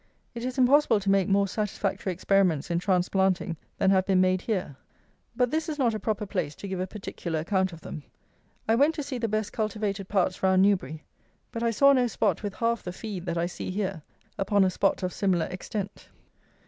It is impossible to make more satisfactory experiments in transplanting than have been made here. But this is not a proper place to give a particular account of them. I went to see the best cultivated parts round Newbury; but I saw no spot with half the "feed" that I see here, upon a spot of similar extent.